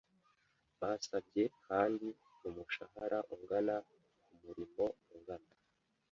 Basabye kandi umushahara ungana kumurimo ungana.